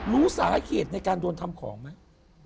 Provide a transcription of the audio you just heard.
รู้สาเขตในการโดนทำของมั้ย